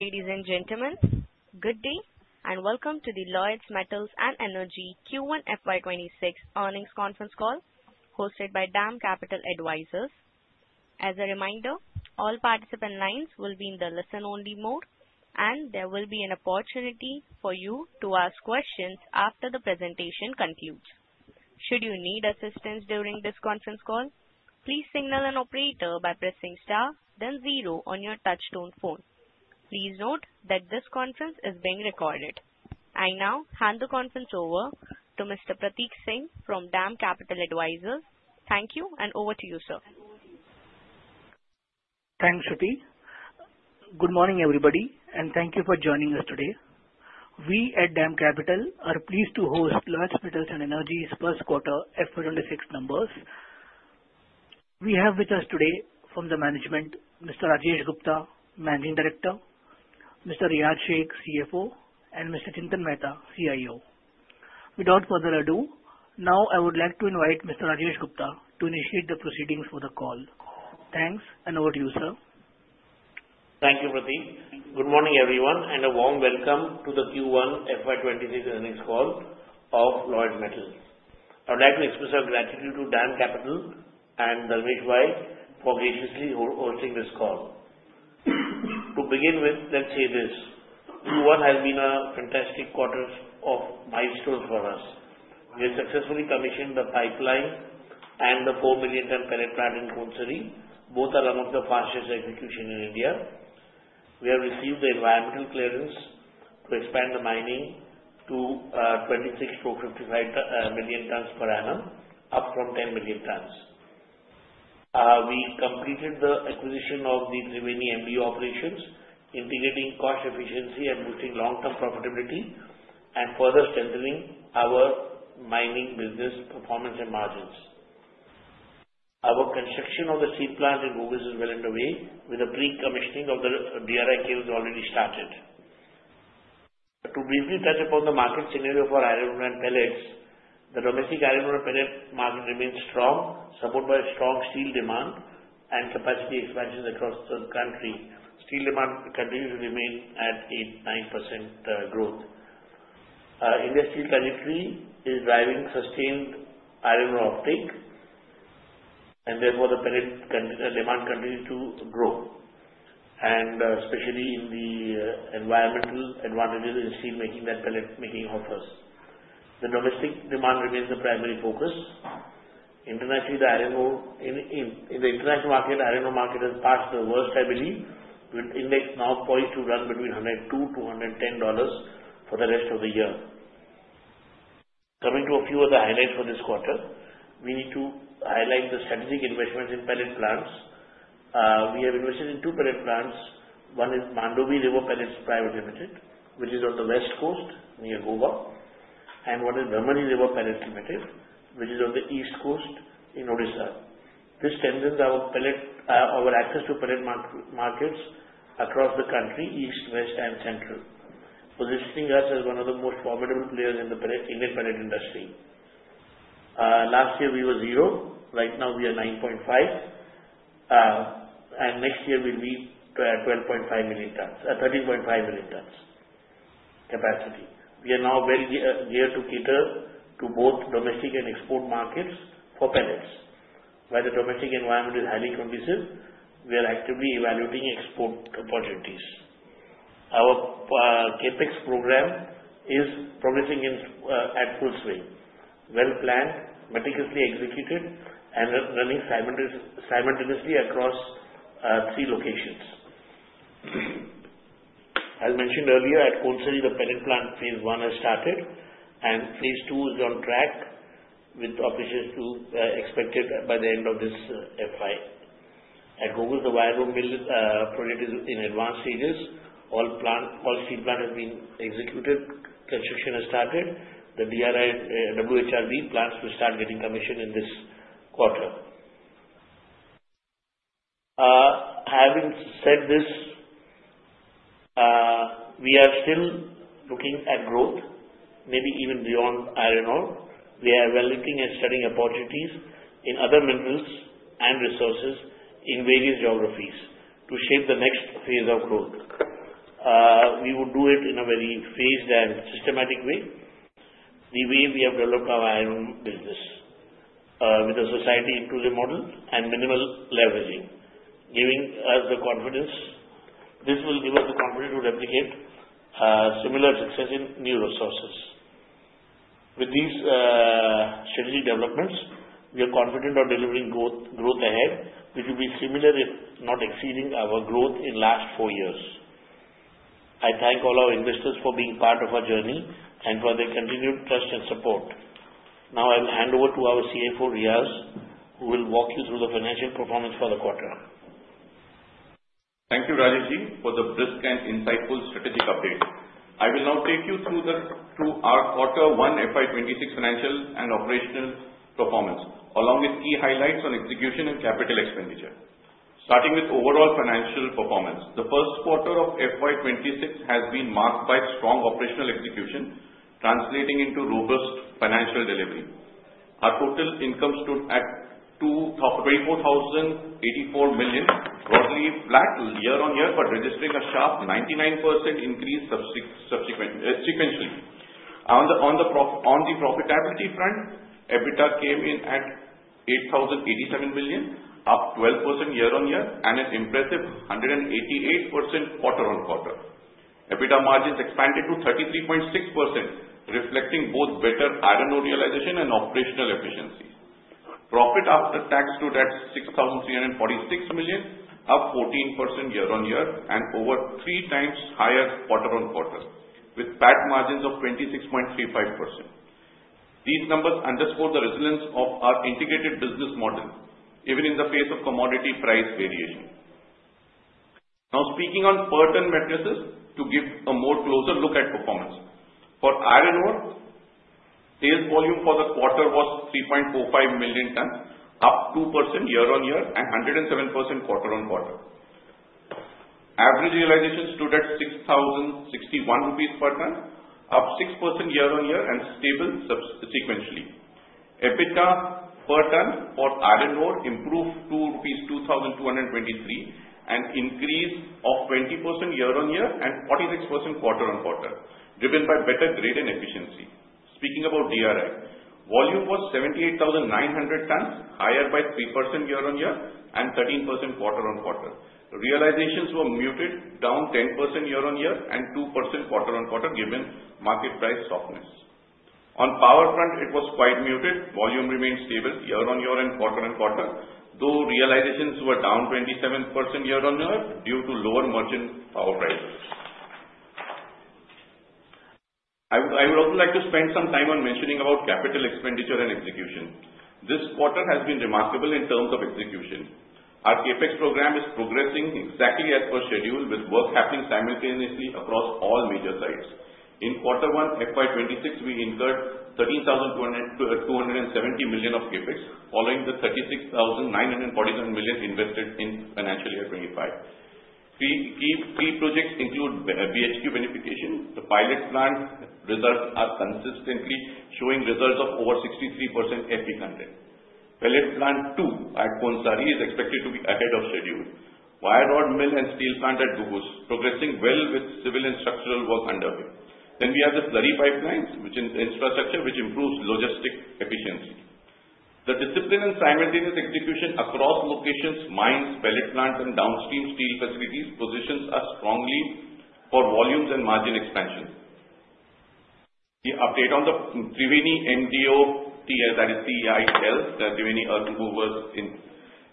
Ladies and gentlemen, good day and welcome to the Lloyds Metals and Energy Q1 FY 2026 earnings conference call hosted by DAM Capital Advisors. As a reminder, all participant lines will be in the listen-only mode, and there will be an opportunity for you to ask questions after the presentation concludes. Should you need assistance during this conference call, please signal an operator by pressing star, then zero on your touch-tone phone. Please note that this conference is being recorded. I now hand the conference over to Mr. Pratik Singh from DAM Capital Advisors. Thank you, and over to you, sir. Thanks, Shruti. Good morning, everybody, and thank you for joining us today. We at DAM Capital are pleased to host Lloyds Metals and Energy's first-quarter FY26 numbers. We have with us today from the management, Mr. Rajesh Gupta, Managing Director, Mr. Riyaz Shaikh, CFO, and Mr. Chintan Mehta, CIO. Without further ado, now I would like to invite Mr. Rajesh Gupta to initiate the proceedings for the call. Thanks, and over to you, sir. Thank you, Pratik. Good morning, everyone, and a warm welcome to the Q1 FY 2026 earnings call of Lloyds Metals. I would like to express our gratitude to DAM Capital and Dharmeshbhai for graciously hosting this call. To begin with, let's say this: Q1 has been a fantastic quarter of milestones for us. We have successfully commissioned the pipeline and the four million-tonne pellet plant in Konsari. Both are among the fastest execution in India. We have received the environmental clearance to expand the mining to 26 million-55 million tons per annum, up from 10 million tons. We completed the acquisition of the Thriveni MDO operations, integrating cost efficiency and boosting long-term profitability and further strengthening our mining business performance and margins. Our construction of the steel plant in Ghugus is well underway, with the pre-commissioning of the DRI kiln has already started. To briefly touch upon the market scenario for iron ore and pellets, the domestic iron ore and pellet market remains strong, supported by strong steel demand and capacity expansions across the country. Steel demand continues to remain at 8%-9% growth. Industrial trajectory is driving sustained iron ore uptake, and therefore the pellet demand continues to grow, especially in the environmental advantages in steel making that pellet-making offers. The domestic demand remains the primary focus. Internationally, the iron ore in the international market, iron ore market has passed the worst, I believe, with index now poised to run between $102-$110 for the rest of the year. Coming to a few of the highlights for this quarter, we need to highlight the strategic investments in pellet plants. We have invested in two pellet plants. One is Mandovi River Pellets Private Limited. Limited, which is on the west coast near Goa, and one is Brahmani River Pellets Limited, which is on the east coast in Odisha. This strengthens our access to pellet markets across the country, east, west, and central, positioning us as one of the most formidable players in the Indian pellet industry. Last year, we were zero. Right now, we are 9.5, and next year we'll be 13.5 million tons capacity. We are now well geared to cater to both domestic and export markets for pellets. While the domestic environment is highly conducive, we are actively evaluating export opportunities. Our CapEx program is progressing at full swing, well planned, meticulously executed, and running simultaneously across three locations. As mentioned earlier, at Konsari, the pellet plant phase one has started, and phase two is on track with operations to be expected by the end of this FY. At Ghugus, the wire rod mill project is in advanced stages. All steel plants have been executed. Construction has started. The WHRB plans to start getting commissioned in this quarter. Having said this, we are still looking at growth, maybe even beyond iron ore. We are well looking at studying opportunities in other minerals and resources in various geographies to shape the next phase of growth. We will do it in a very phased and systematic way, the way we have developed our iron ore business, with a society-inclusive model and minimal leveraging, giving us the confidence. This will give us the confidence to replicate similar success in new resources. With these strategic developments, we are confident of delivering growth ahead, which will be similar, if not exceeding, our growth in the last four years. I thank all our investors for being part of our journey and for their continued trust and support. Now I will hand over to our CFO, Riyaz, who will walk you through the financial performance for the quarter. Thank you, Rajeshji, for the brisk and insightful strategic update. I will now take you through our quarter one FY 2026 financial and operational performance, along with key highlights on execution and capital expenditure. Starting with overall financial performance, the first quarter of FY 2026 has been marked by strong operational execution, translating into robust financial delivery. Our total income stood at 24,084 million, roughly flat year on year, but registering a sharp 99% increase sequentially. On the profitability front, EBITDA came in at 8,087 million, up 12% year-on-year, and an impressive 188% quarter on quarter. EBITDA margins expanded to 33.6%, reflecting both better iron ore realization and operational efficiency. Profit after tax stood at 6,346 million, up 14% year on year, and over three times higher quarter on quarter, with PAT margins of 26.35%. These numbers underscore the resilience of our integrated business model, even in the face of commodity price variation. Now, speaking on pertinent matters, to give a more closer look at performance, for iron ore, sales volume for the quarter was 3.45 million tons, up 2% year-on-year and 107% quarter on quarter. Average realization stood at 6,061 rupees per ton, up 6% year-on-year and stable sequentially. EBITDA per ton for iron ore improved to 2,223 rupees and increased of 20% year on year and 46% quarter on quarter, driven by better grade and efficiency. Speaking about DRI, volume was 78,900 tons, higher by 3% year-on-year and 13% quarter-on-quarter. Realizations were muted, down 10% year-on-year and 2% quarter-on-quarter, given market price softness. On power front, it was quite muted. Volume remained stable year on year and quarter on quarter, though realizations were down 27% year-on-year due to lower merchant power prices. I would also like to spend some time on mentioning capital expenditure and execution. This quarter has been remarkable in terms of execution. Our CapEx program is progressing exactly as per schedule, with work happening simultaneously across all major sites. In quarter one FY 2026, we incurred 13,270 million of CapEx, following the 36,947 million invested in financial year 2025. Key projects include BHQ beneficiation, the pilot plant. Results are consistently showing results of over 63% efficiency. Pellet plant two at Konsari is expected to be ahead of schedule. Wire rod mill and steel plant at Ghugus, progressing well with civil and structural work underway. Then we have the slurry pipeline infrastructure, which improves logistic efficiency. The discipline and simultaneous execution across locations, mines, pellet plants, and downstream steel facilities positions us strongly for volumes and margin expansion. Update on the Thriveni MDO, that is, TEPL, Thriveni Earthmovers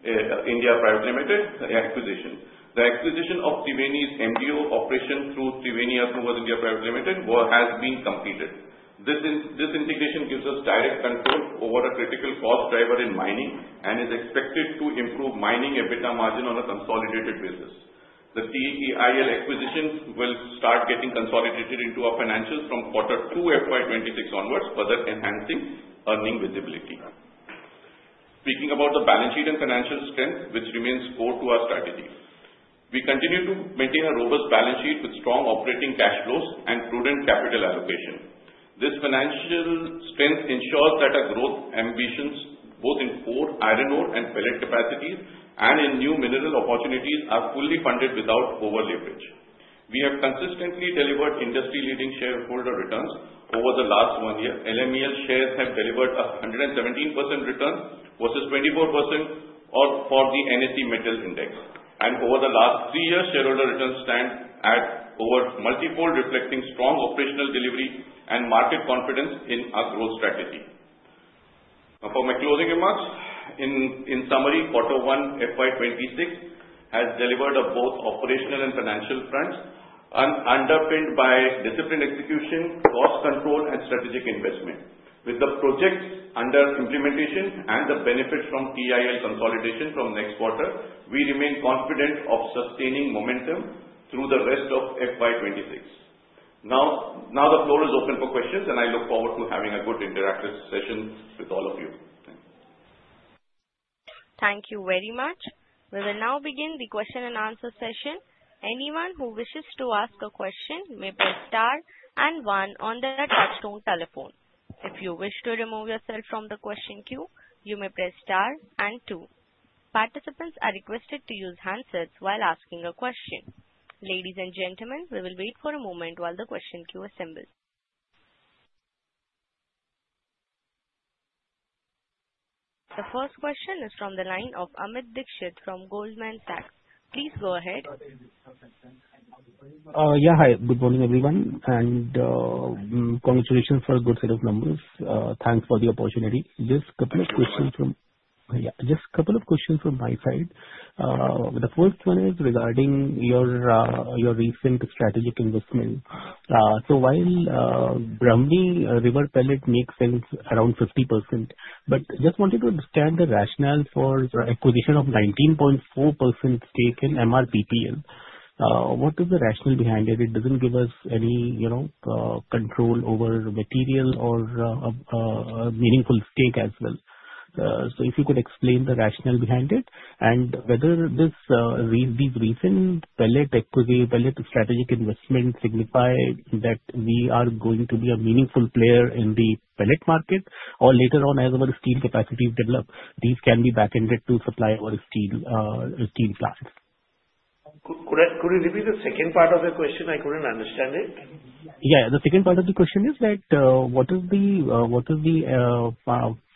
Private Limited acquisition. The acquisition of Thriveni's MDO operation through Thriveni Earthmovers Private Limited has been completed. This integration gives us direct control over a critical cost driver in mining and is expected to improve mining EBITDA margin on a consolidated basis. The TEPL acquisition will start getting consolidated into our financials from quarter two FY 2026 onwards, further enhancing earning visibility. Speaking about the balance sheet and financial strength, which remains core to our strategy, we continue to maintain a robust balance sheet with strong operating cash flows and prudent capital allocation. This financial strength ensures that our growth ambitions, both in core iron ore and pellet capacities and in new mineral opportunities, are fully funded without over-leverage. We have consistently delivered industry-leading shareholder returns over the last one year. LMEL shares have delivered a 117% return versus 24% for the NSE Metals Index, and over the last three years, shareholder returns stand at multi-fold, reflecting strong operational delivery and market confidence in our growth strategy. For my closing remarks, in summary, quarter one FY 2026 has delivered on both operational and financial fronts, underpinned by disciplined execution, cost control, and strategic investment. With the projects under implementation and the benefits from TEPL consolidation from next quarter, we remain confident of sustaining momentum through the rest of FY 2026. Now the floor is open for questions, and I look forward to having a good interactive session with all of you. Thank you very much. We will now begin the question and answer session. Anyone who wishes to ask a question may press star and one on the touch-tone telephone. If you wish to remove yourself from the question queue, you may press star and two. Participants are requested to use handsets while asking a question. Ladies and gentlemen, we will wait for a moment while the question queue assembles. The first question is from the line of Amit Dixit from Goldman Sachs. Please go ahead. Yeah, hi. Good morning, everyone, and congratulations for a good set of numbers. Thanks for the opportunity. Just a couple of questions from my side. The first one is regarding your recent strategic investment. So while Brahmani River Pellets makes sense around 50%, but just wanted to understand the rationale for the acquisition of 19.4% stake in MRPPL. What is the rationale behind it? It doesn't give us any control over material or meaningful stake as well. So if you could explain the rationale behind it and whether these recent pellet strategic investments signify that we are going to be a meaningful player in the pellet market or later on, as our steel capacity develops, these can be back-ended to supply our steel plants. Could you give me the second part of the question? I couldn't understand it. Yeah, the second part of the question is that what is the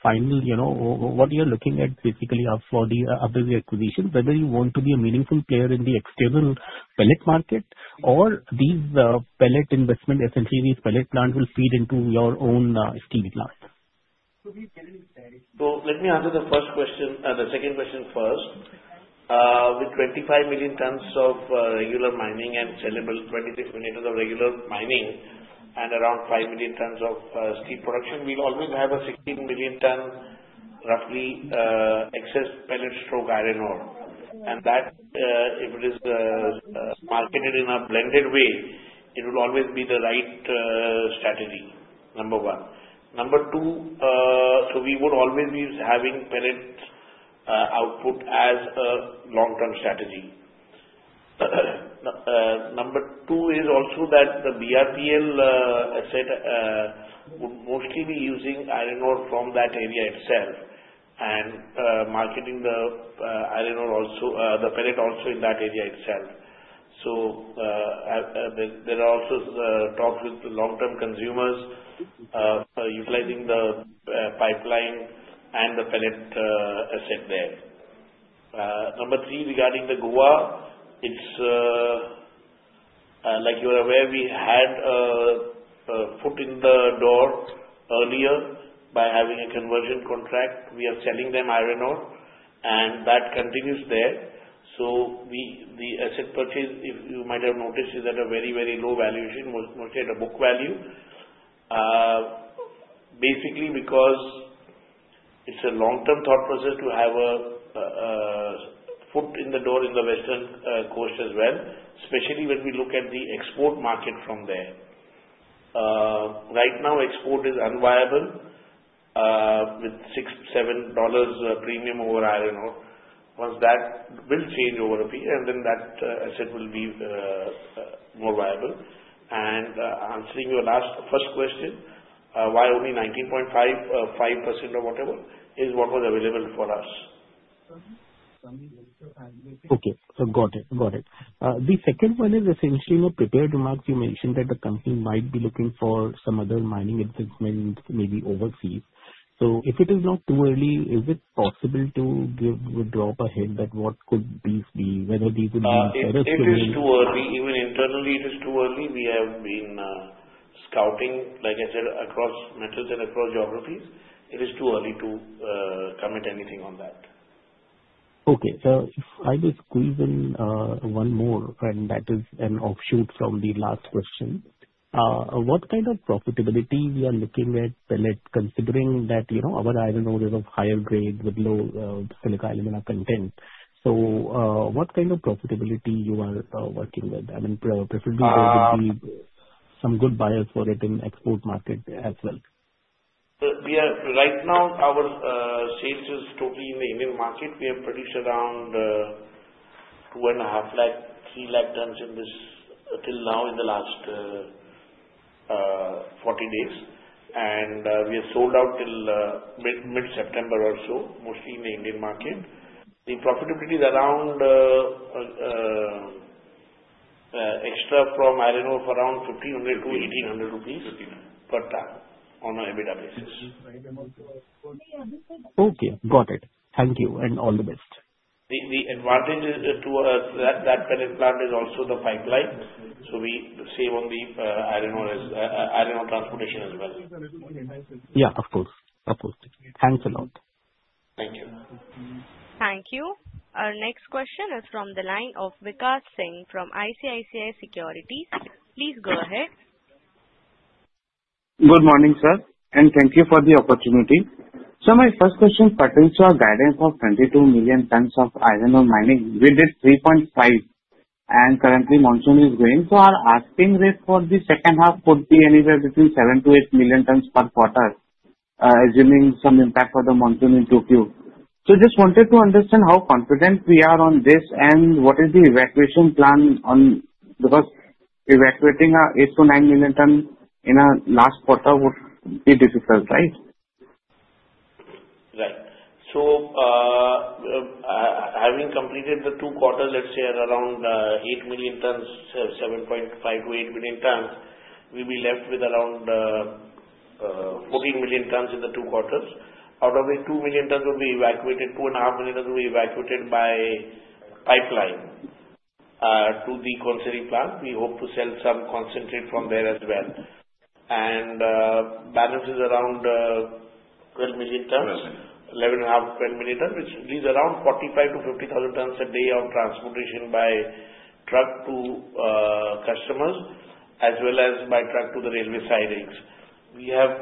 final, what you're looking at basically for the acquisition, whether you want to be a meaningful player in the external pellet market or these pellet investment, essentially these pellet plants will feed into your own steel plant. Let me answer the first question, the second question first. With 25 million tons of regular mining and 26 million tons of regular mining and around 5 million tons of steel production, we'll always have a roughly 16 million tons excess pellet or iron ore. And that, if it is marketed in a blended way, it will always be the right strategy, number one. Number two, we would always be having pellet output as a long-term strategy. Number two is also that the BRPL asset would mostly be using iron ore from that area itself and marketing the pellet also in that area itself. There are also talks with the long-term consumers utilizing the pipeline and the pellet asset there. Number three, regarding the Goa, like you're aware, we had a foot in the door earlier by having a conversion contract. We are selling them iron ore, and that continues there. So the asset purchase, if you might have noticed, is at a very, very low valuation, mostly at a book value, basically because it's a long-term thought process to have a foot in the door in the West Coast as well, especially when we look at the export market from there. Right now, export is unviable with $6-$7 premium over iron ore. Once that will change over a period, and then that asset will be more viable. Answering your first question, why only 19.5% or whatever is what was available for us? Okay, got it. Got it. The second one is essentially a prepared remark. You mentioned that the company might be looking for some other mining investment, maybe overseas. So if it is not too early, is it possible to give a drop ahead that what could these be, whether these would be? It is too early. Even internally, it is too early. We have been scouting, like I said, across metals and across geographies. It is too early to comment anything on that. Okay. So if I may squeeze in one more, and that is an offshoot from the last question. What kind of profitability we are looking at pellets, considering that our iron ore is of higher grade with low silica alumina content? So what kind of profitability you are working with? I mean, preferably, there would be some good buyers for it in the export market as well. Right now, our sales is totally in the Indian market. We have produced around 2.5 lakh-3 lakh tons until now in the last 40 days. And we have sold out till mid-September or so, mostly in the Indian market. The profitability is around extra from iron ore for around 1,500-1,800 rupees per ton on an EBITDA basis. Okay, got it. Thank you, and all the best. The advantage to that pellet plant is also the pipeline. So we save on the iron ore transportation as well. Yeah, of course. Of course. Thanks a lot. Thank you. Thank you. Our next question is from the line of Vikas Singh from ICICI Securities. Please go ahead. Good morning, sir, and thank you for the opportunity. So my first question, Patel, so our guidance of 22 million tons of iron ore mining, we did 3.5, and currently, monsoon is going. So our asking rate for the second half could be anywhere between 7 million-8 million tons per quarter, assuming some impact for the monsoon in Tokyo. So just wanted to understand how confident we are on this and what is the evacuation plan because evacuating 8 million-9 million tons in a last quarter would be difficult, right? Right. Having completed the two quarters, let's say at around 8 million tons, 7.5 million-8 million tons, we will be left with around 14 million tons in the two quarters. Out of it, 2 million tons will be evacuated, 2.5 million tons will be evacuated by pipeline to the consignee plant. We hope to sell some concentrate from there as well. The balance is around 12 million tons, 11.5 million-12 million tons, which leaves around 45,000-50,000 tons a day of transportation by truck to customers as well as by truck to the railway sidings. We have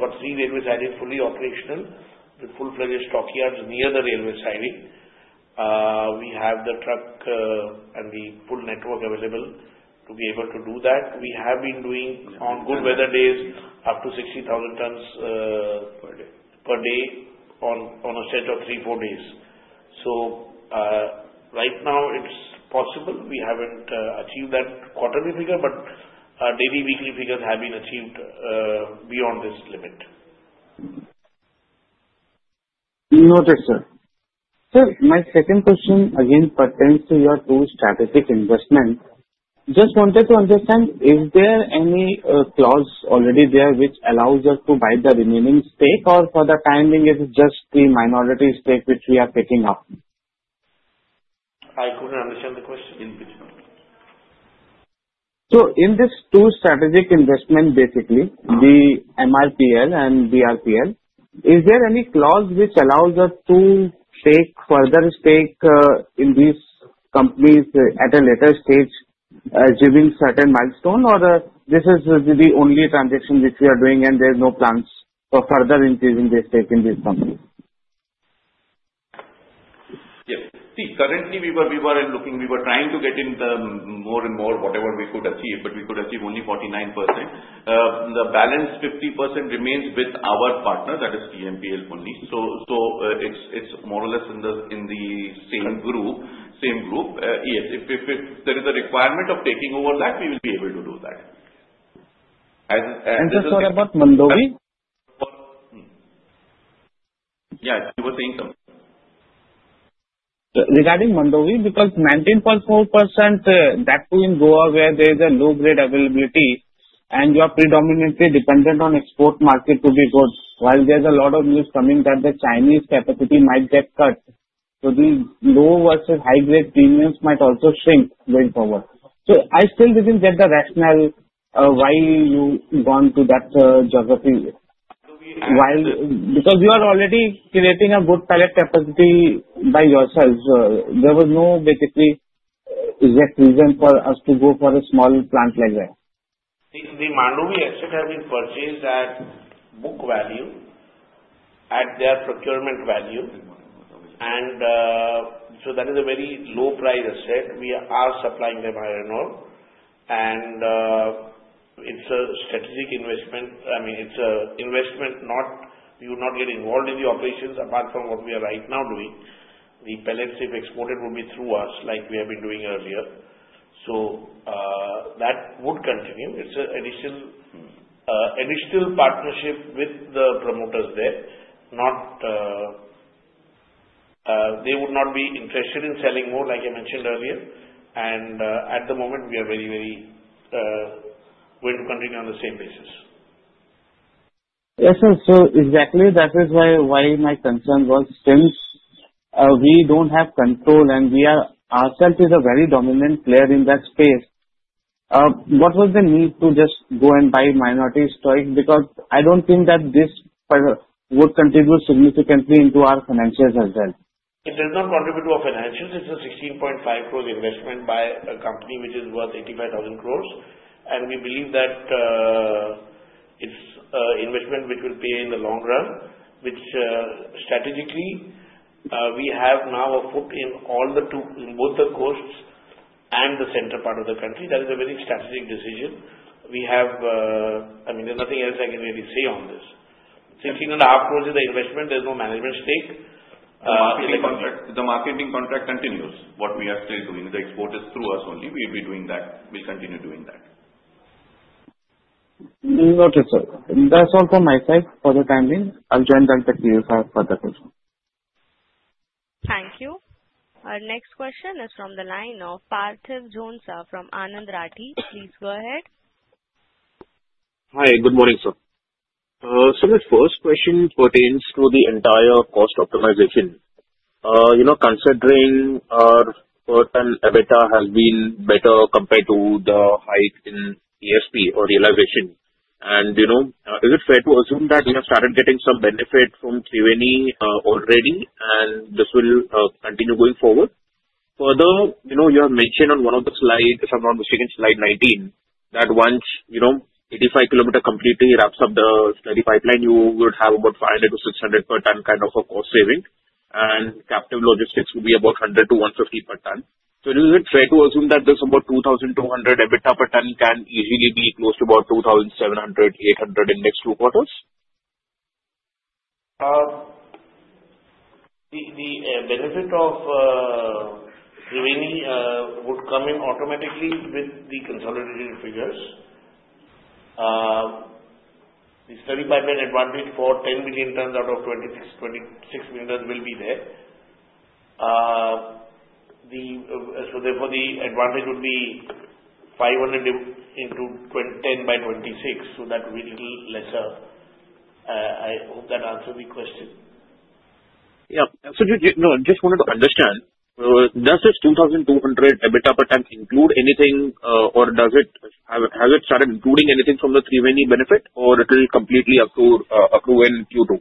got three railway sidings fully operational with full-fledged stockyards near the railway siding. We have the trucking and the full network available to be able to do that. We have been doing, on good weather days, up to 60,000 tons. Per day. Per day on a stretch of three, four days. So right now, it's possible. We haven't achieved that quarterly figure, but daily, weekly figures have been achieved beyond this limit. Noted, sir. So my second question again pertains to your two strategic investments. Just wanted to understand, is there any clause already there which allows us to buy the remaining stake, or for the timing, is it just the minority stake which we are picking up? I couldn't understand the question. In these two strategic investments, basically, the MRPL and BRPL, is there any clause which allows us to take further stake in these companies at a later stage, achieving certain milestones, or this is the only transaction which we are doing, and there's no plans for further increasing the stake in these companies? Yes. See, currently, we were looking. We were trying to get in more and more whatever we could achieve, but we could achieve only 49%. The balance 50% remains with our partner, that is TMPL only. So it's more or less in the same group. Yes. If there is a requirement of taking over that, we will be able to do that. Just what about Mandovi? Yeah, you were saying something. Regarding Mandovi, because 19.4%, that being Goa where there is a low-grade availability, and you are predominantly dependent on export market to be good, while there's a lot of news coming that the Chinese capacity might get cut. So these low versus high-grade premiums might also shrink going forward. So I still didn't get the rationale why you've gone to that geography. Because you are already creating a good pellet capacity by yourselves. There was no basically exact reason for us to go for a small plant like that. See, the Mandovi asset has been purchased at book value, at their procurement value. And so that is a very low-price asset. We are supplying them iron ore. And it's a strategic investment. I mean, it's an investment you're not getting involved in the operations apart from what we are right now doing. The pellets if exported would be through us, like we have been doing earlier. So that would continue. It's an additional partnership with the promoters there. They would not be interested in selling more, like I mentioned earlier. And at the moment, we are very, very going to continue on the same basis. Yes, sir. So exactly that is why my concern was since we don't have control and ourselves is a very dominant player in that space, what was the need to just go and buy minority stake? Because I don't think that this would contribute significantly into our financials as well. It does not contribute to our financials. It's an 16.5 crore investment by a company which is worth 85,000 crores. And we believe that it's an investment which will pay in the long run, which strategically we have now a foot in both the coasts and the central part of the country. That is a very strategic decision. I mean, there's nothing else I can really say on this. INR 16.5 crores is the investment. There's no management stake. The marketing contract continues. What we are still doing is the export is through us only. We'll be doing that. We'll continue doing that. Noted, sir. That's all from my side for the timing. I'll join back to you for further questions. Thank you. Our next question is from the line of Parthiv Jhonsa from Anand Rathi. Please go ahead. Hi, good morning, sir. So my first question pertains to the entire cost optimization. Considering our per ton EBITDA has been better compared to the height in ESP or realization, is it fair to assume that we have started getting some benefit from Thriveni already, and this will continue going forward? Further, you have mentioned on one of the slides, if I'm not mistaken, slide 19, that once 85 km completely wraps up the slurry pipeline, you would have about 500-600 per ton kind of a cost saving. And captive logistics would be about 100-150 per ton. So is it fair to assume that this about 2,200 EBITDA per ton can easily be close to about 2,700-2,800 in the next two quarters? The benefit of Thriveni would come in automatically with the consolidated figures. The slurry pipeline advantage for 10 million tons out of 26 million tons will be there. So therefore, the advantage would be 500 into 10 by 26. So that would be a little lesser. I hope that answers the question. Yeah. So just wanted to understand, does this 2,200 EBITDA per ton include anything, or has it started including anything from the Thriveni benefit, or it will completely accrue in Q2?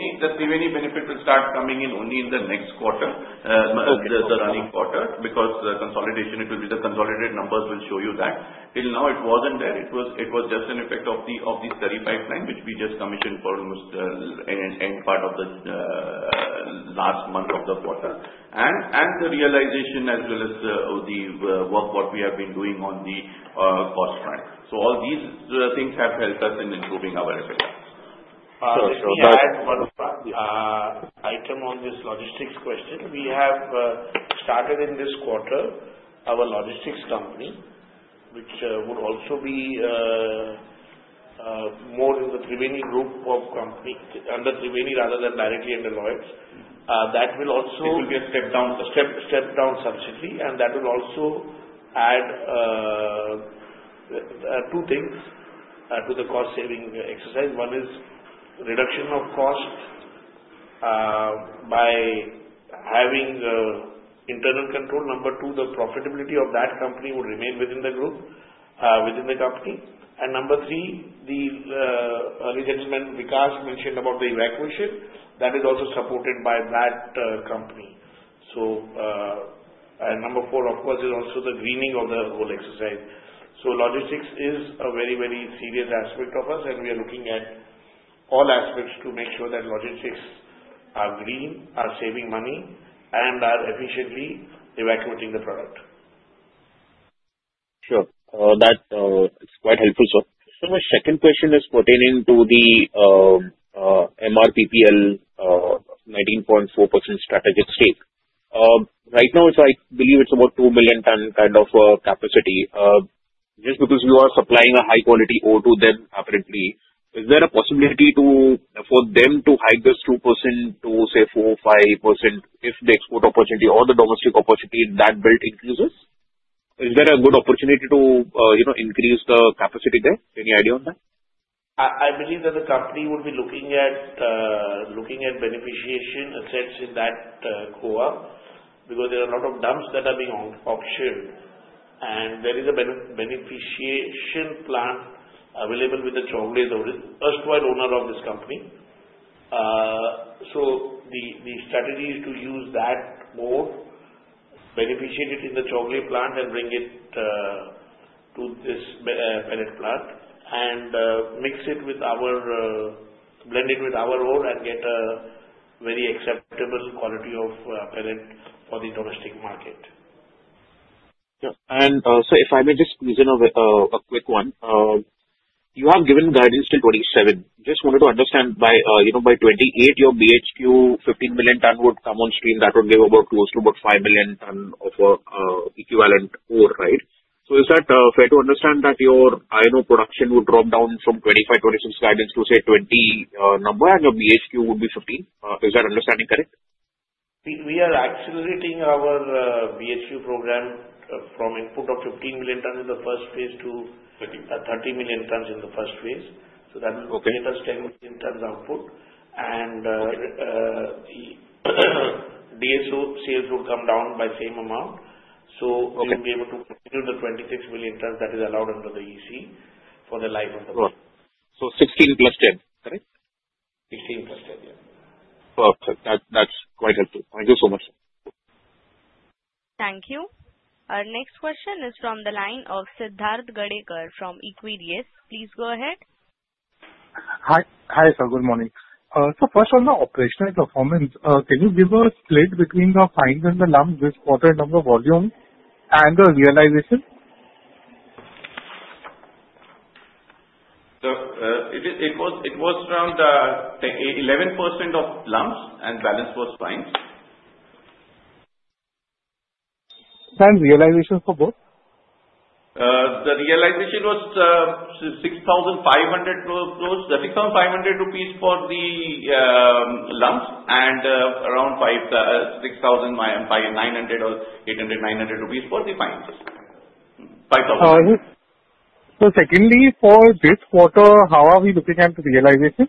The Thriveni benefit will start coming in only in the next quarter, the running quarter, because the consolidation, it will be the consolidated numbers will show you that. Till now, it wasn't there. It was just an effect of the slurry pipeline, which we just commissioned for almost the end part of the last month of the quarter, and the realization as well as the work what we have been doing on the cost front. So all these things have helped us in improving our EBITDA. So, I comment on this logistics question. We have started in this quarter our logistics company, which would also be more in the Thriveni group of companies under Thriveni rather than directly under Lloyds. That will also. It will be a step-down. Step-down subsidy, and that will also add two things to the cost-saving exercise. One is reduction of cost by having internal control. Number two, the profitability of that company would remain within the group, within the company, and number three, the gentleman Vikas mentioned about the evacuation. That is also supported by that company, and number four, of course, is also the greening of the whole exercise, so logistics is a very, very serious aspect of us, and we are looking at all aspects to make sure that logistics are green, are saving money, and are efficiently evacuating the product. Sure. That's quite helpful, sir. So my second question is pertaining to the MRPPL 19.4% strategic stake. Right now, I believe it's about two million ton kind of capacity. Just because you are supplying a high-quality ore then, apparently, is there a possibility for them to hike this 2 MT to, say, 4-5 MT if the export opportunity or the domestic opportunity that built increases? Is there a good opportunity to increase the capacity there? Any idea on that? I believe that the company would be looking at beneficiation assets in that co-op because there are a lot of dumps that are being auctioned. And there is a beneficiation plant available with the Chowgule's owners, former owner of this company. So the strategy is to use that ore, beneficiate it in the Chowgule plant, and bring it to this pellet plant, and mix it with our, blend it with our ore and get a very acceptable quality of pellet for the domestic market. Yeah. And so if I may just squeeze in a quick one. You have given guidance till 27. Just wanted to understand, by 28, your BHQ 15 million ton would come on stream. That would give about close to 5 million ton of equivalent ore, right? So is that fair to understand that your iron ore production would drop down from 25, 26 guidance to, say, 20 number, and your BHQ would be 15? Is that understanding correct? We are accelerating our BHQ program from input of 15 million tons in the first phase to 30 million tons in the first phase. So that will give us 10 million tons output. And DSO sales would come down by same amount. So we will be able to continue the 26 million tons that is allowed under the EC for the life of the plant. 16 + 10, correct? 16 + 10, yeah. Perfect. That's quite helpful. Thank you so much. Thank you. Our next question is from the line of Siddharth Gadekar from Equirius. Please go ahead. Hi, sir. Good morning. So first on the operational performance, can you give us a split between the fines and the lumps with quarter number volume and the realization? It was around 11% of lumps, and balance was fines. Realization for both? The realization was 6,500 crores rupees, 6,500 rupees for the lumps, and around 6,900 or 800, 900 for the fines. 5,000. So secondly, for this quarter, how are we looking at the realization?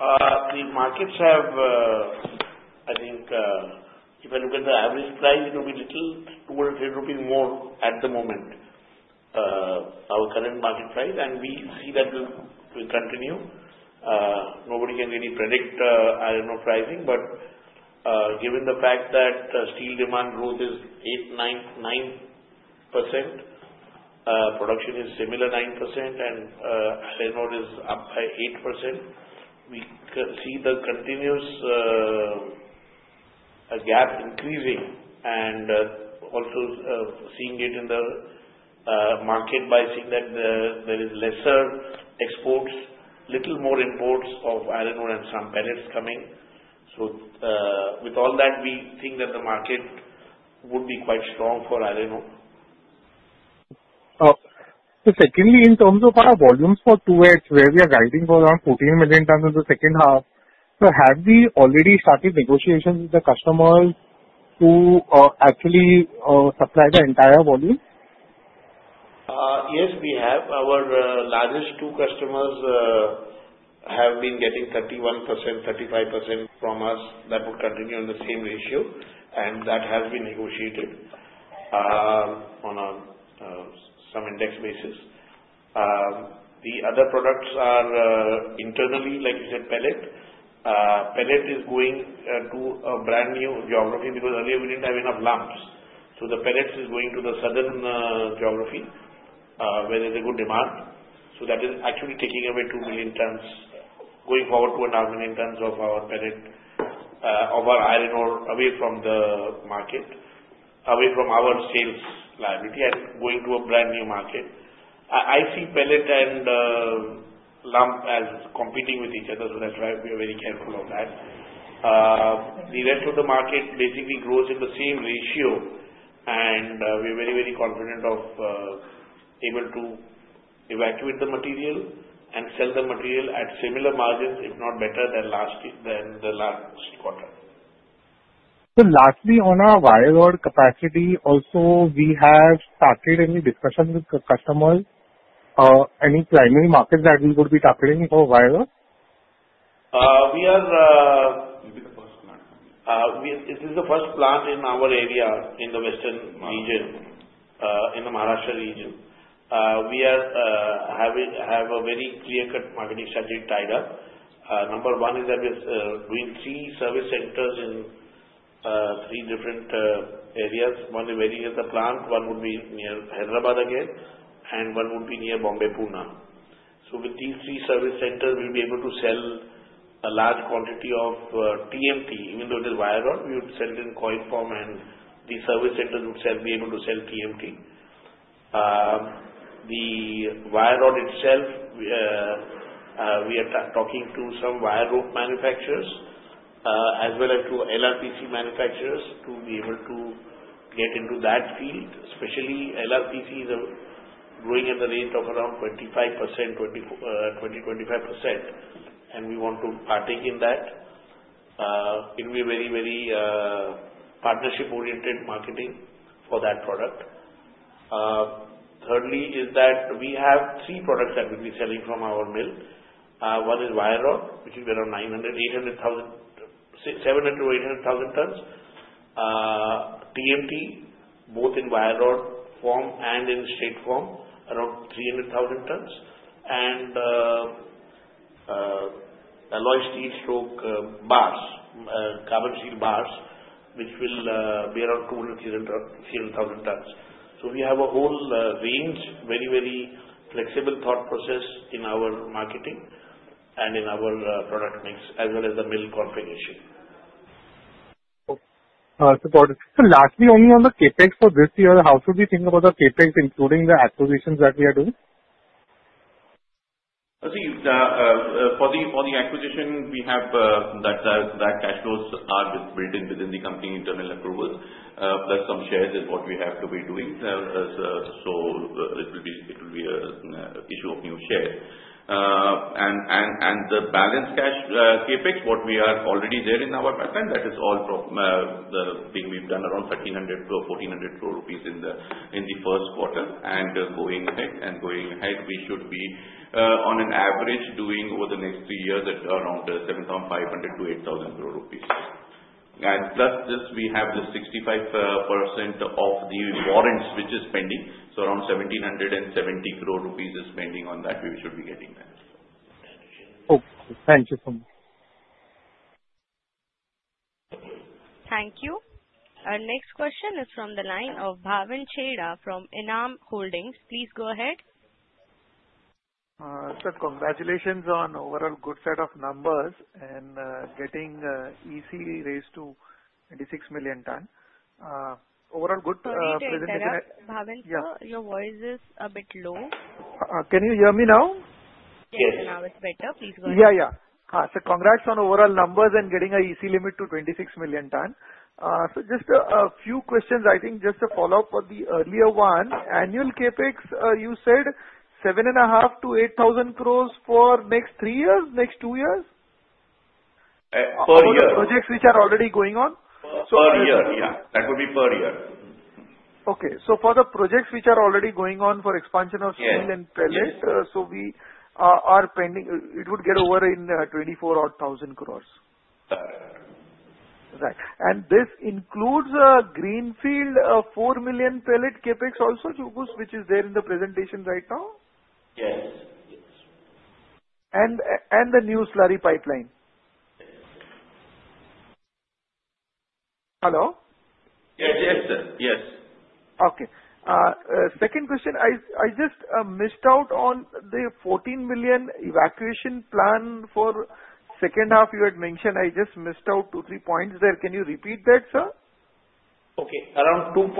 The markets have, I think, if I look at the average price, it will be little two or three INR more at the moment, our current market price. And we see that will continue. Nobody can really predict iron ore pricing, but given the fact that steel demand growth is 8%, 9%, 9%, production is similar 9%, and iron ore is up by 8%, we see the continuous gap increasing and also seeing it in the market by seeing that there is lesser exports, little more imports of iron ore and some pellets coming. So with all that, we think that the market would be quite strong for iron ore. Secondly, in terms of our volumes for H2, where we are guiding for around 14 million tons in the second half, so have we already started negotiations with the customers to actually supply the entire volume? Yes, we have. Our largest two customers have been getting 31%, 35%. From us that would continue in the same ratio, and that has been negotiated on some index basis. The other products are internally, like you said, pellet. Pellet is going to a brand new geography because earlier we didn't have enough lumps. So the pellets is going to the southern geography where there's a good demand. So that is actually taking away 2 million tons, going forward to 1 million tons of our pellet, of our iron ore away from the market, away from our sales liability and going to a brand new market. I see pellet and lump as competing with each other, so that's why we are very careful of that. The rest of the market basically grows in the same ratio, and we are very, very confident of able to evacuate the material and sell the material at similar margins, if not better, than the last quarter. Lastly, on our wire rod capacity, also, we have started any discussion with customers, any primary markets that we would be targeting for wire rod? This is the first plant in our area in the western region, in the Maharashtra region. We have a very clear-cut marketing strategy tied up. Number one is that we are doing three service centers in three different areas. One is very near the plant. One would be near Hyderabad again, and one would be near Bombay, Pune. So with these three service centers, we'll be able to sell a large quantity of TMT. Even though it is wire rod, we would sell it in coil form, and the service centers would be able to sell TMT. The wire rod itself, we are talking to some wire rope manufacturers as well as to LRPC manufacturers to be able to get into that field, especially LRPC is growing at the rate of around 20%-25%, and we want to partake in that. It will be very, very partnership-oriented marketing for that product. Thirdly is that we have three products that we'll be selling from our mill. One is wire rod, which is around 700 to 800,000 tons. TMT, both in wire rod form and in straight form, around 300,000 tons. And alloy steel structurals bars, carbon steel bars, which will be around 200,000 to 300,000 tons. So we have a whole range, very, very flexible thought process in our marketing and in our product mix, as well as the mill configuration. Support. So lastly, only on the CapEx for this year, how should we think about the CapEx, including the acquisitions that we are doing? I think for the acquisition, we have that cash flows are built in within the company internal approvals, plus some shares is what we have to be doing. So it will be an issue of new shares. And the balance cash CapEx, what we are already there in our pipeline, that is all the thing we've done around 1,300-1,400 crore rupees in the first quarter. And going ahead, we should be on an average doing over the next three years at around 7,500-8,000 crore rupees. And plus this, we have the 65% of the warrants which is pending. So around 1,770 crore rupees is pending on that. We should be getting that. Okay. Thank you so much. Thank you. Our next question is from the line of Bhavin Chheda from Enam Holdings. Please go ahead. Sir, congratulations on overall good set of numbers and getting EC raised to 26 million tons. Overall good presentation. Bhavin, sir, your voice is a bit low. Can you hear me now? Yes. Now it's better. Please go ahead. Yeah, yeah. So congrats on overall numbers and getting an EC limit to 26 million tons. So just a few questions. I think just a follow-up for the earlier one. Annual CapEx, you said 7,500 crores-8,000 crores for next three years, next two years? Per year. Or projects which are already going on? Per year, yeah. That would be per year. Okay. So for the projects which are already going on for expansion of steel and pellet, so we are spending, it would get over in 24 or 1,000 crores. Correct. Right. And this includes Greenfield 4 million pellet CapEx also, Ghugus, which is there in the presentation right now? Yes. Yes. And the new slurry pipeline? Hello? Yes, yes, sir. Yes. Okay. Second question, I just missed out on the 14 million evacuation plan for second half you had mentioned. I just missed out two or three points there. Can you repeat that, sir? Okay. Around 2.5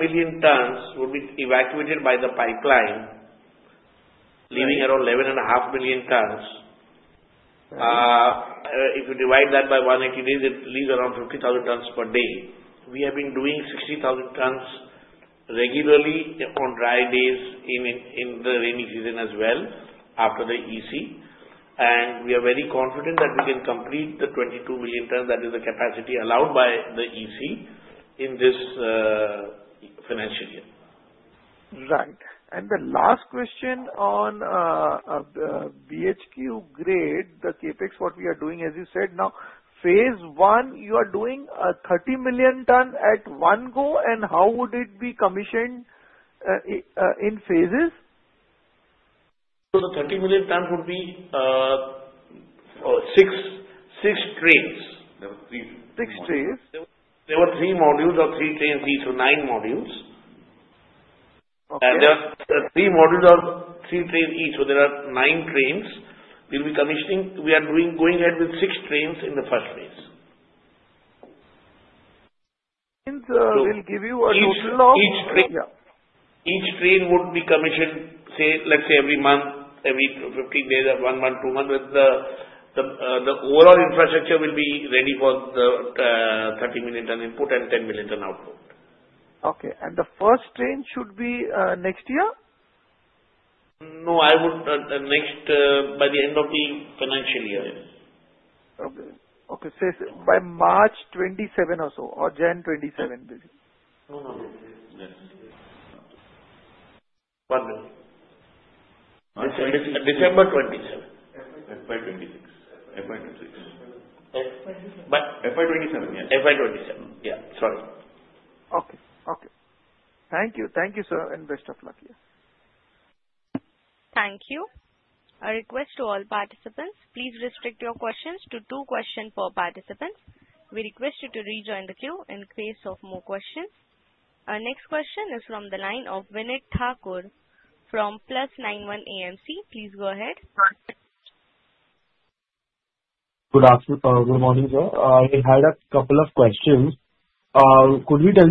million tons would be evacuated by the pipeline, leaving around 11 and a half million tons. If you divide that by 180 days, it leaves around 50,000 tons per day. We have been doing 60,000 tons regularly on dry days in the rainy season as well after the EC. And we are very confident that we can complete the 22 million tons that is the capacity allowed by the EC in this financial year. Right, and the last question on BHQ grade, the CapEx, what we are doing, as you said, now phase one, you are doing 30 million ton at one go, and how would it be commissioned in phases? The 30 million tons would be six trains. Six trays. There were three modules or three trains each, so nine modules, and there are three modules or three trains each, so there are nine trains. We are going ahead with six trains in the first phase. Means we'll give you a total of. Each train would be commissioned, say, let's say every month, every 15 days, or one month, two months. The overall infrastructure will be ready for the 30 million ton input and 10 million ton output. Okay. And the first train should be next year? No, by the end of the financial year. So by March 2027 or so, or January 2027? No, no. Yes. One minute. December 27. FY 2026. FY 2026. FY 2027, yes. FY 2027. Yeah. Sorry. Okay. Okay. Thank you. Thank you, sir, and best of luck. Thank you. A request to all participants. Please restrict your questions to two questions per participant. We request you to rejoin the queue in case of more questions. Our next question is from the line of Vinit Thakur from Plus91 AMC. Please go ahead. Good morning, sir. I had a couple of questions. Could you tell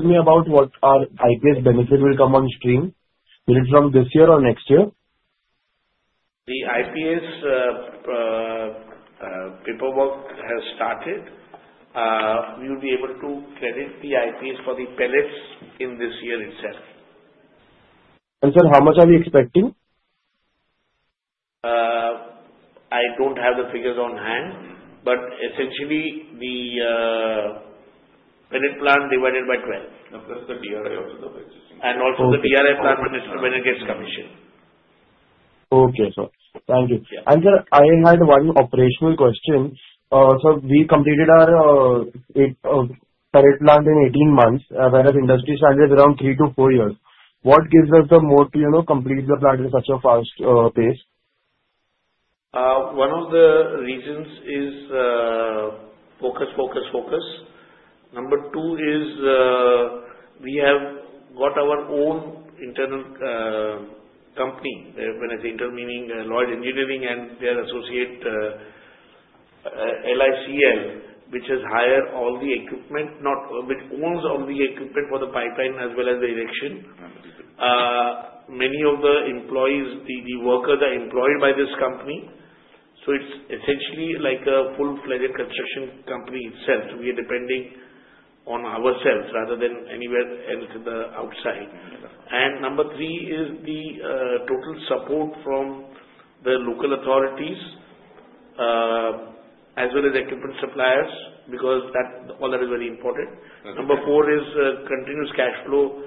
me about what are IPS benefits will come on stream? Will it be from this year or next year? The IPS paperwork has started. We will be able to credit the IPS for the pellets in this year itself. Sir, how much are we expecting? I don't have the figures on hand, but essentially, the pellet plant divided by 12. And also the DRI plant when it gets commissioned. Okay, sir. Thank you. And sir, I had one operational question. So we completed our pellet plant in 18 months, whereas industry standard is around three to four years. What gives us the motive to complete the plant in such a fast pace? One of the reasons is focus, focus, focus. Number two is we have got our own internal company, when I say internal, meaning Lloyds Engineering and their associate, LICL, which has hired all the equipment, which owns all the equipment for the pipeline as well as the erection. Many of the employees, the workers are employed by this company. So it's essentially like a full-fledged construction company itself. We are depending on ourselves rather than anywhere else in the outside. And number three is the total support from the local authorities as well as equipment suppliers because all that is very important. Number four is continuous cash flow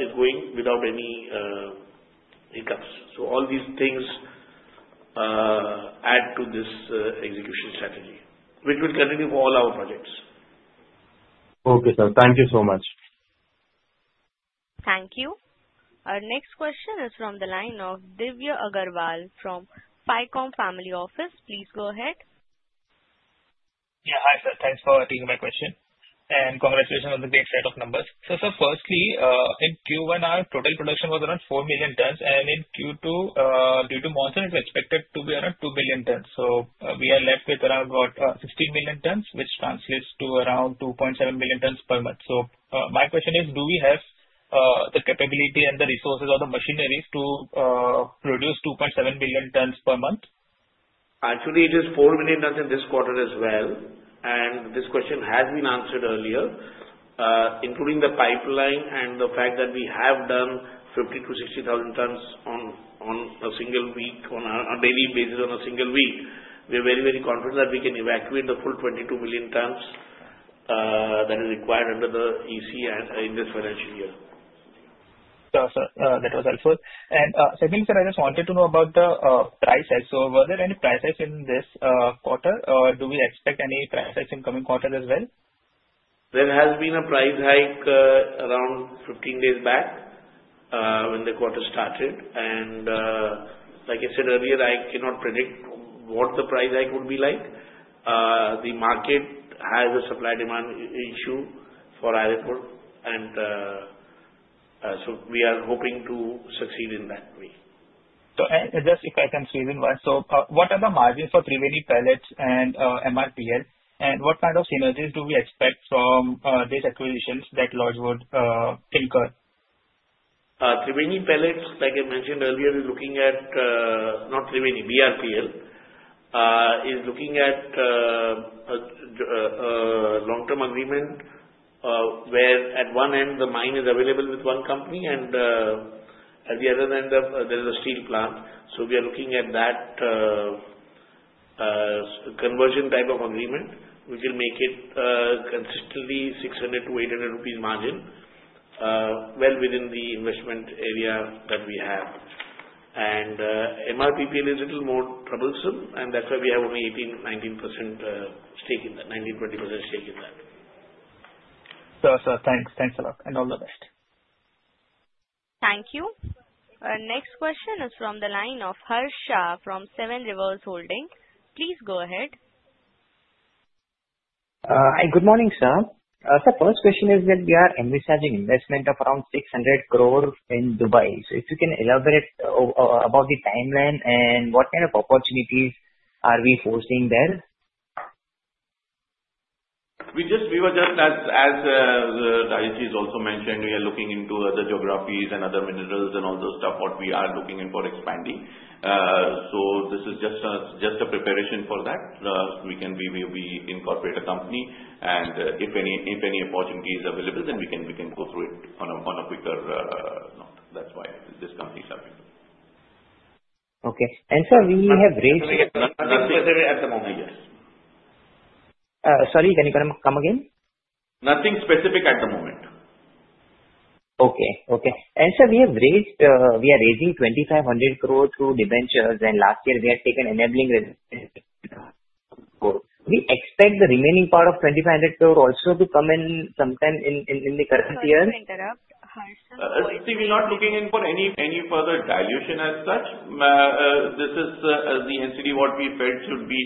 is going without any hiccups. So all these things add to this execution strategy, which will continue for all our projects. Okay, sir. Thank you so much. Thank you. Our next question is from the line of Divya Agarwal from Pycom Family Office. Please go ahead. Yeah. Hi, sir. Thanks for taking my question. And congratulations on the great set of numbers. So sir, firstly, in Q1, our total production was around 4 million tons. And in Q2, due to monsoon, it was expected to be around 2 million tons. So we are left with around 16 million tons, which translates to around 2.7 million tons per month. So my question is, do we have the capability and the resources or the machinery to produce 2.7 million tons per month? Actually, it is 4 million tons in this quarter as well. This question has been answered earlier, including the pipeline and the fact that we have done 50,000 to 60,000 tons on a single week, on a daily basis. We are very, very confident that we can evacuate the full 22 million tons that is required under the EC in this financial year. Sir, that was helpful. And secondly, sir, I just wanted to know about the price hike. So were there any price hikes in this quarter, or do we expect any price hikes in coming quarters as well? There has been a price hike around 15 days back when the quarter started. And like I said earlier, I cannot predict what the price hike would be like. The market has a supply-demand issue for iron ore. And so we are hoping to succeed in that way. Just if I can squeeze in one, so what are the margins for Brahmani Pellets and MRPL? What kind of synergies do we expect from these acquisitions that Lloyds can incur? Like I mentioned earlier, BRPL is looking at a long-term agreement where at one end, the mine is available with one company, and at the other end, there is a steel plant. So we are looking at that conversion type of agreement, which will make it consistently 600-800 rupees margin, well within the investment area that we have. MRPL is a little more troublesome, and that's why we have only 18%-20% stake in that. Sir, sir, thanks. Thanks a lot. And all the best. Thank you. Our next question is from the line of Harsha from Seven Rivers Holdings. Please go ahead. Hi, good morning, sir. Sir, first question is that we are envisaging investment of around 600 crore in Dubai. So if you can elaborate about the timeline and what kind of opportunities are we focusing there? We were just, as Riyaz has also mentioned, we are looking into other geographies and other minerals and all those stuff, what we are looking for expanding. So this is just a preparation for that. We can maybe incorporate a company. And if any opportunity is available, then we can go through it on a quicker note. That's why this company is helping. Okay, and sir, we have raised. Nothing specific at the moment, yes. Sorry, can you come again? Nothing specific at the moment. Sir, we are raising 2,500 crore through debentures, and last year, we had taken enabling. We expect the remaining part of 2,500 crore also to come in sometime in the current year. I will interrupt. Harsha? We are not looking for any further dilution as such. This is the NCD. What we felt should be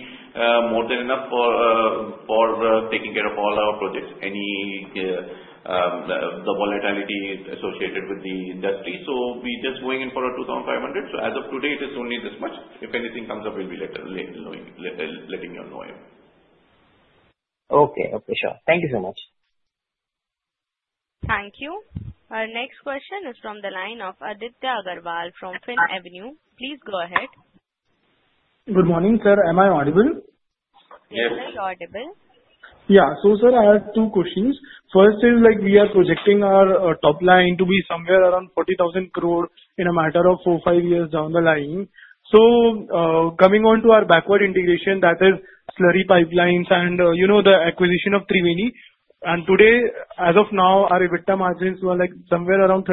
more than enough for taking care of all our projects, the volatility associated with the industry. So we are just going in for 2,500. So as of today, it is only this much. If anything comes up, we'll be letting you know. Okay. Okay, sure. Thank you so much. Thank you. Our next question is from the line of Aditya Agarwal from Finavenue. Please go ahead. Good morning, sir. Am I audible? Yes. You're very audible. Yeah. So sir, I have two questions. First is we are projecting our top line to be somewhere around 40,000 crore in a matter of four, five years down the line. So coming on to our backward integration, that is slurry pipelines and the acquisition of Thriveni. And today, as of now, our EBITDA margins were somewhere around 33%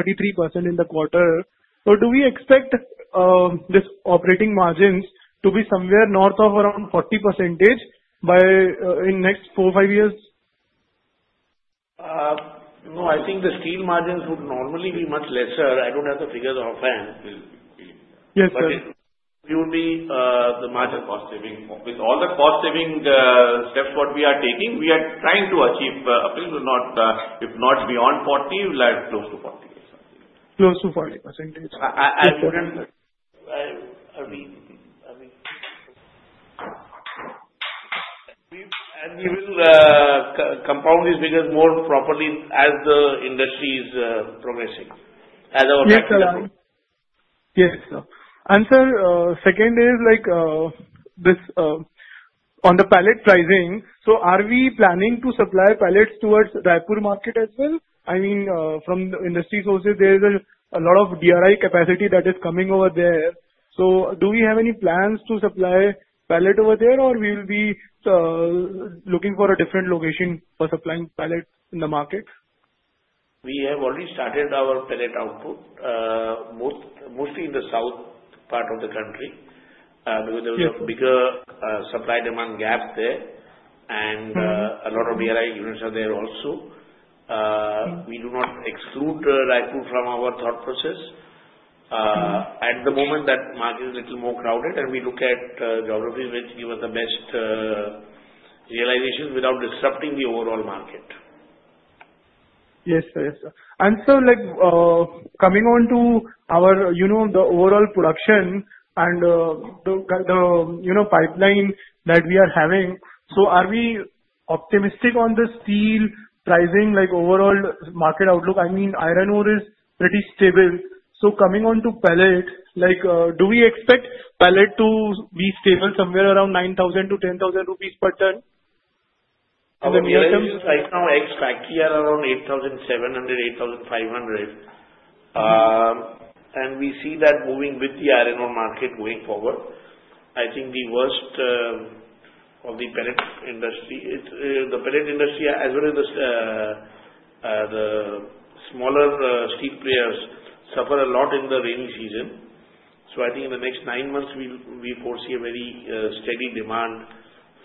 in the quarter. So do we expect this operating margins to be somewhere north of around 40% by in next four, five years? No, I think the steel margins would normally be much lesser. I don't have the figures offhand. Yes, sir. But it would be the margin cost saving. With all the cost-saving steps what we are taking, we are trying to achieve if not beyond 40, close to 40. Close to 40%. We will compound these figures more properly as the industry is progressing. Yes, sir. And sir, second is on the pellet pricing, so are we planning to supply pellets towards Raipur market as well? I mean, from the industry sources, there is a lot of DRI capacity that is coming over there. So do we have any plans to supply pellet over there, or will we be looking for a different location for supplying pellet in the market? We have already started our pellet output, mostly in the south part of the country because there was a bigger supply-demand gap there, and a lot of DRI units are there also. We do not exclude Raipur from our thought process. At the moment, that market is a little more crowded, and we look at geographies which give us the best realizations without disrupting the overall market. Yes, sir. Yes, sir. And sir, coming on to our overall production and the pipeline that we are having, so are we optimistic on the steel pricing, overall market outlook? I mean, iron ore is pretty stable. So coming on to pellet, do we expect pellet to be stable somewhere around 9,000-10,000 rupees per ton in the near term? Right now, expect here around 8,700, 8,500, and we see that moving with the iron ore market going forward. I think the worst of the pellet industry, as well as the smaller steel players, suffer a lot in the rainy season, so I think in the next nine months, we foresee a very steady demand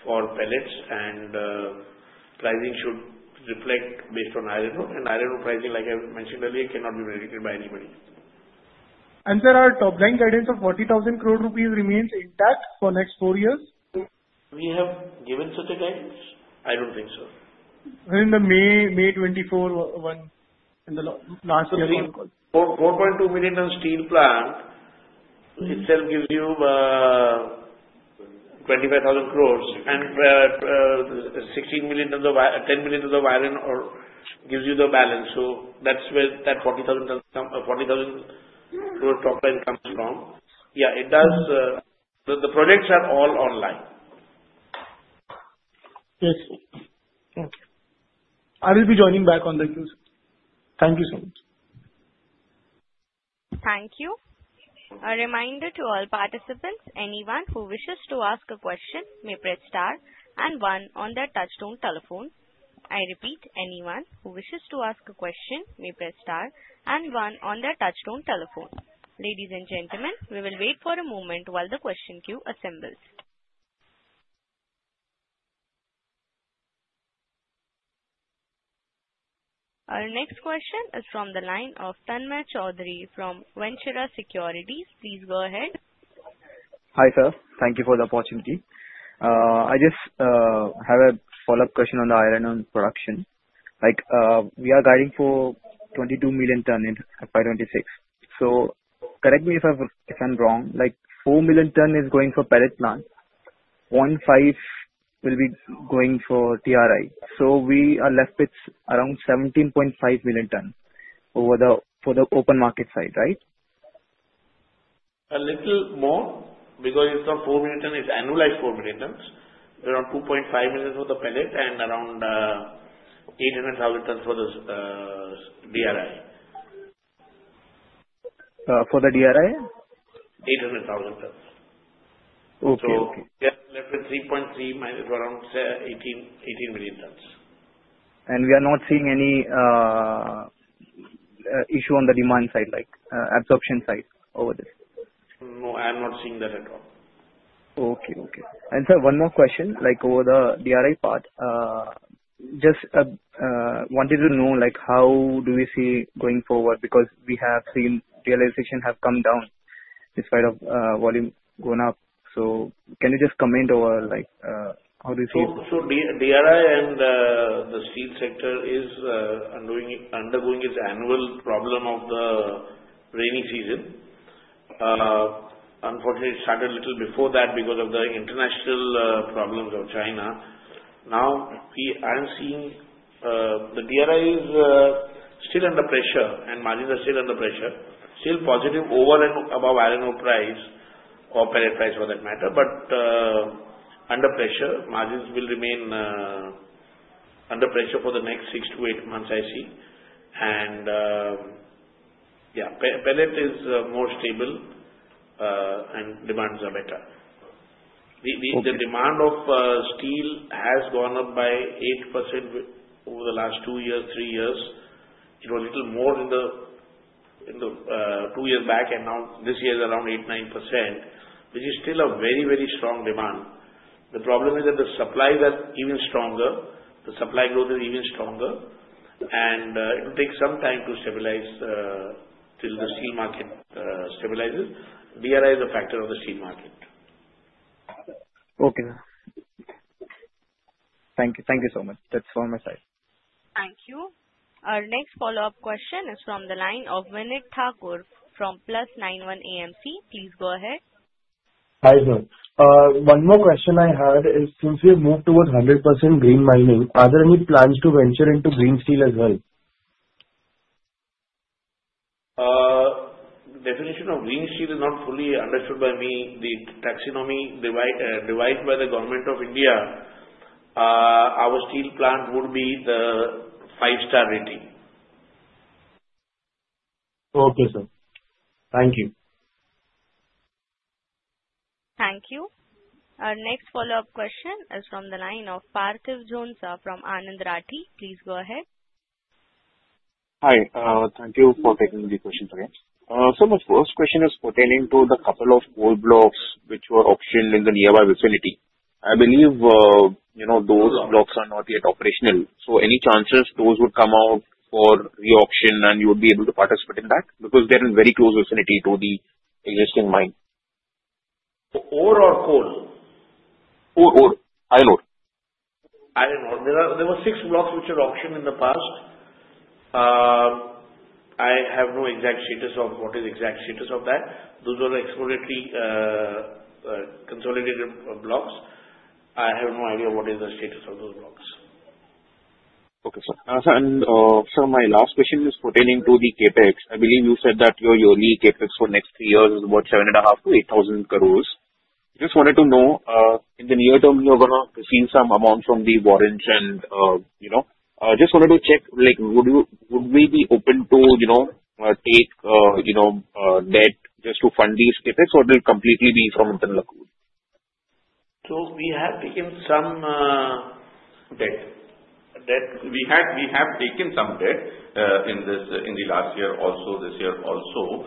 for pellets, and pricing should reflect based on iron ore. Iron ore pricing, like I mentioned earlier, cannot be predicted by anybody. Sir, our top-line guidance of 40,000 crore remains intact for next four years? We have given such a guidance? I don't think so. In the May 24 last year. 4.2 million-ton steel plant itself gives you 25,000 crores, and 10 million tons of the iron ore gives you the balance. So that's where that 40,000 crore top line comes from. Yeah, it does. The projects are all online. Yes, sir. Okay. I will be joining back on the queue, sir. Thank you so much. Thank you. A reminder to all participants. Anyone who wishes to ask a question may press star and one on their touch-tone telephone. I repeat, anyone who wishes to ask a question may press star and one on their touch-tone telephone. Ladies and gentlemen, we will wait for a moment while the question queue assembles. Our next question is from the line of Tanmay Choudhary from Ventura Securities. Please go ahead. Hi, sir. Thank you for the opportunity. I just have a follow-up question on the iron ore production. We are guiding for 22 million ton in 2026. So correct me if I'm wrong. 4 million ton is going for pellet plant. 15 will be going for DRI. So we are left with around 17.5 million ton for the open market side, right? A little more because it's not 4 million tons. It's annualized 4 million tons. Around 2.5 million for the pellet and around 800,000 tons for the DRI. For the DRI? 800,000 tons. So we are left with 3.3- around 18 million tons. We are not seeing any issue on the demand side, absorption side over there? No, I am not seeing that at all. Okay. And sir, one more question. Over the DRI part, just wanted to know how do we see going forward because we have seen realization have come down in spite of volume going up. So can you just comment or how do you see it? DRI and the steel sector is undergoing its annual problem of the rainy season. Unfortunately, it started a little before that because of the international problems of China. Now, I'm seeing the DRI is still under pressure, and margins are still under pressure. Still positive over and above iron ore price or pellet price for that matter, but under pressure. Margins will remain under pressure for the next six to eight months, I see. Yeah, pellet is more stable and demands are better. The demand of steel has gone up by 8% over the last two years, three years. It was a little more in the two years back, and now this year is around 8%-9%, which is still a very, very strong demand. The problem is that the supplies are even stronger. The supply growth is even stronger. It will take some time to stabilize till the steel market stabilizes. DRI is a factor of the steel market. Okay. Thank you. Thank you so much. That's all on my side. Thank you. Our next follow-up question is from the line of Vinit Thakur from Plus91 AMC. Please go ahead. Hi, sir. One more question I had is since we have moved towards 100% green mining, are there any plans to venture into green steel as well? The definition of green steel is not fully understood by me. The taxonomy devised by the Government of India, our steel plant would be the five-star rating. Okay, sir. Thank you. Thank you. Our next follow-up question is from the line of Parthiv Jhonsa from Anand Rathi. Please go ahead. Hi. Thank you for taking the question again. So my first question is pertaining to the couple of coal blocks which were auctioned in the nearby vicinity. I believe those blocks are not yet operational. So any chances those would come out for re-auction, and you would be able to participate in that because they are in very close vicinity to the existing mine? Or coal? Or iron ore? Iron ore. There were six blocks which were auctioned in the past. I have no exact status of what is the exact status of that. Those were exploratory consolidated blocks. I have no idea what is the status of those blocks. Okay, sir. And sir, my last question is pertaining to the CapEx. I believe you said that your yearly CapEx for next three years is about 7,500 crores-8,000 crores. Just wanted to know in the near term you're going to receive some amounts from the warrants, and just wanted to check, would we be open to take debt just to fund these CapEx, or will it completely be from internal accrual? So we have taken some debt. We have taken some debt in the last year also, this year also.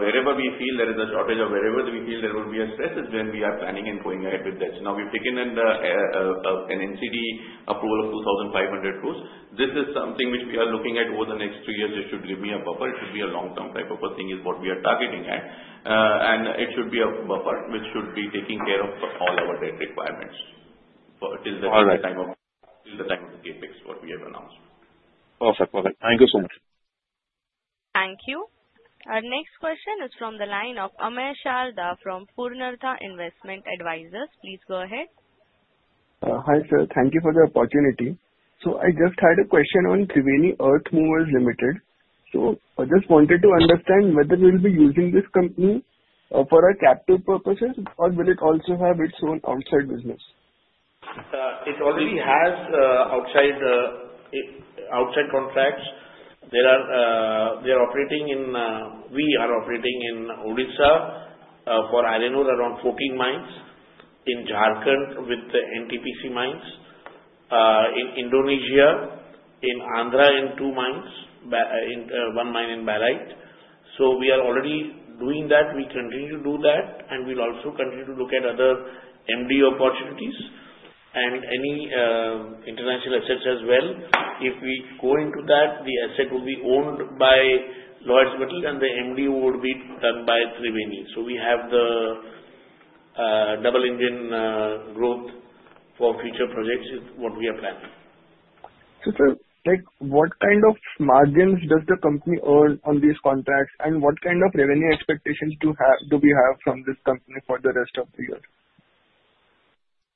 Wherever we feel there is a shortage or wherever we feel there will be a stress, is when we are planning and going ahead with debts. Now, we've taken an NCD approval of 2,500 crores. This is something which we are looking at over the next two years. It should give me a buffer. It should be a long-term type of a thing is what we are targeting at. And it should be a buffer which should be taking care of all our debt requirements till the time of the CapEx, what we have announced. Perfect. Perfect. Thank you so much. Thank you. Our next question is from the line of Amish Alda from Purnartha Investment Advisers. Please go ahead. Hi, sir. Thank you for the opportunity. So I just had a question on Thriveni Earthmovers India Private Limited. So I just wanted to understand whether we will be using this company for our capital purposes, or will it also have its own outside business? It already has outside contracts. We are operating in Odisha for iron ore around 14 mines, in Jharkhand with the NTPC mines, in Indonesia, in Andhra in two mines, one mine in Barbil. So we are already doing that. We continue to do that, and we'll also continue to look at other MDO opportunities and any international assets as well. If we go into that, the asset will be owned by Lloyds Metals, and the MDO would be done by Thriveni. So we have the double engine growth for future projects is what we are planning. Sir, what kind of margins does the company earn on these contracts, and what kind of revenue expectations do we have from this company for the rest of the year?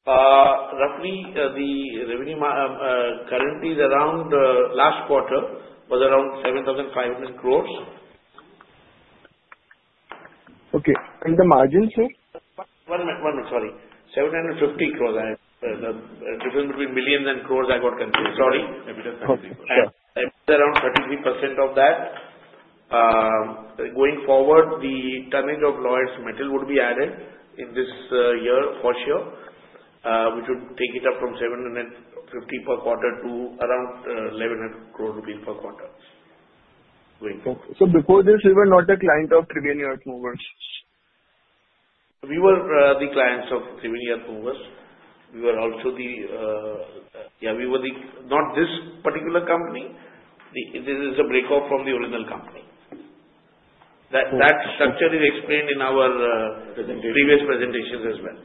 Roughly, the revenue currently is around last quarter was around 7,500 crores. Okay. And the margins, sir? One minute. Sorry. 750 crores. The difference between millions and crores, I got confused. Sorry. Maybe just 90%. It's around 33% of that. Going forward, the tonnage of Lloyds Metals would be added in this year for sure, which would take it up from 750 per quarter to around 1,100 crore rupees per quarter. Okay. So before this, we were not a client of Thriveni Earthmovers? We were the clients of Thriveni Earthmovers. We were also the yeah, we were not this particular company. This is a breakup from the original company. That structure is explained in our previous presentations as well.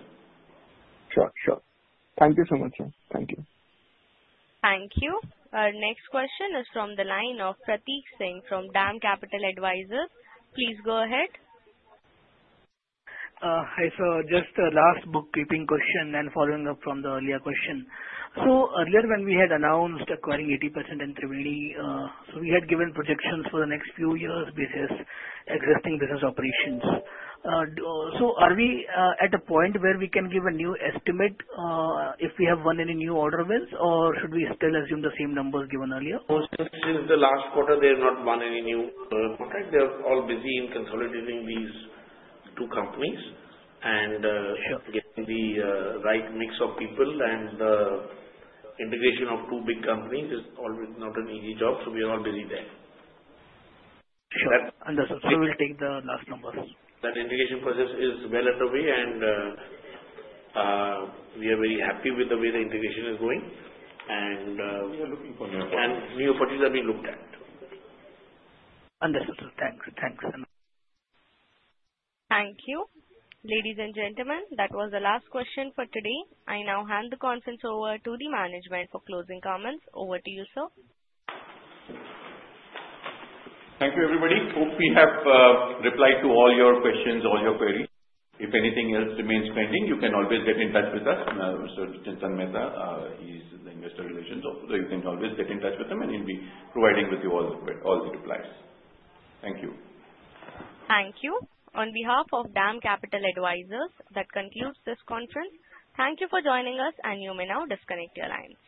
Sure. Sure. Thank you so much, sir. Thank you. Thank you. Our next question is from the line of Pratik Singh from DAM Capital Advisors. Please go ahead. Hi, sir. Just a last bookkeeping question and following up from the earlier question. So earlier, when we had announced acquiring 80% in Thriveni, so we had given projections for the next few years based on existing business operations. So are we at a point where we can give a new estimate if we have won any new order wins, or should we still assume the same numbers given earlier? Since the last quarter, they have not won any new contracts. They are all busy in consolidating these two companies and getting the right mix of people, and the integration of two big companies is always not an easy job, so we are all busy there. Sure. Understood. So we'll take the last numbers. That integration process is well underway, and we are very happy with the way the integration is going, and we are looking for new opportunities, and new opportunities are being looked at. Understood, sir. Thanks. Thanks. Thank you. Ladies and gentlemen, that was the last question for today. I now hand the conference over to the management for closing comments. Over to you, sir. Thank you, everybody. Hope we have replied to all your questions, all your queries. If anything else remains pending, you can always get in touch with us. Mr. Tanay Tata, he's the Investor Relations Officer. You can always get in touch with him, and he'll be providing with you all the replies. Thank you. Thank you. On behalf of DAM Capital Advisors, that concludes this conference. Thank you for joining us, and you may now disconnect your lines.